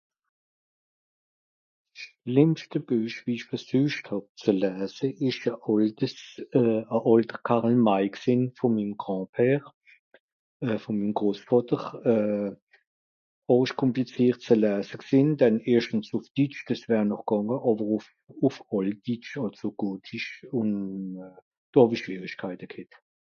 schlìmmschte beuch wie esch beseucht hàb zu läase esch à àltes à alter karl mike gsìn vò mim gand-père euh vò mim grossvàter euh horisch kompliziert zu laase gsìn dann erstens ùff ditsch des wär noch gànge àwer ùff ùff àlt ditsch àlso (gothisch) ùn euh do hàw'isch schwierigkeit g'hett